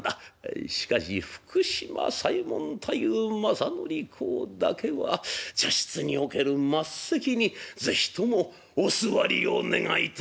「しかし福島左衛門大夫正則公だけは茶室における末席に是非ともお座りを願いたい」。